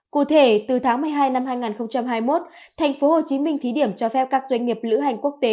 cụ thể từ tháng một mươi hai năm hai nghìn hai mươi một thành phố hồ chí minh thí điểm cho phép các doanh nghiệp lữ hành quốc tế